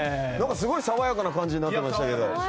すごい爽やかな感じになってましたけど。